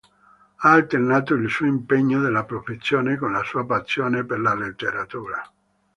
Ha alternato il suo impegno nella professione con la sua passione per la letteratura.